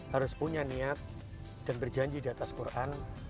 harus punya niat dan berjanji di atas quran